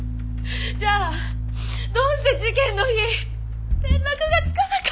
じゃあどうして事件の日連絡がつかなかったの？